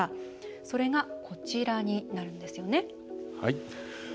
それが、こちらになるんですよね。